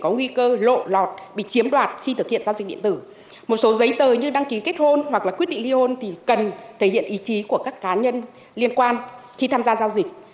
nhiều giấy tờ như đăng ký kết hôn hoặc quyết định liên hôn cần thể hiện ý chí của các cá nhân liên quan khi tham gia giao dịch